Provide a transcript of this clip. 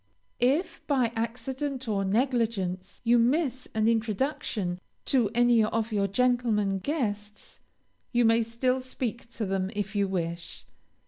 If, by accident or negligence, you miss an introduction to any of your gentlemen guests, you may still speak to them if you wish.